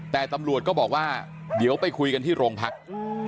แต่ตำรวจก็บอกว่าเดี๋ยวไปคุยกันที่โรงพัก